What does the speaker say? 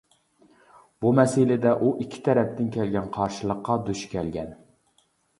بۇ مەسىلىدە ئۇ ئىككى تەرەپتىن كەلگەن قارشىلىققا دۇچ كەلگەن.